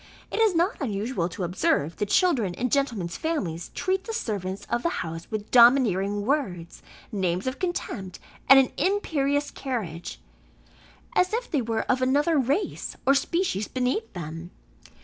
It is not unusual to observe the children in gentlemen's families treat the servants of the house with domineering words, names of contempt, and an imperious carriage, as if they were of another race, or species beneath them.